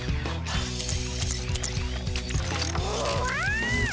うわ！